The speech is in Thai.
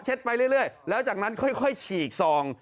ก็เช็ดโต๊ะเช็ดไปเรื่อยแล้วจากนั้นค่อยฉีกซอง